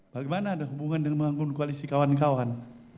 bagaimana ada hubungan dengan membangun koalisi kawan kawan